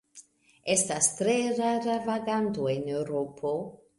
Estas tre rara vaganto en Eŭropo.